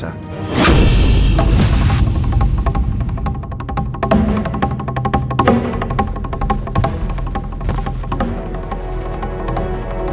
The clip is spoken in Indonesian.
saya tunggu kamu elsa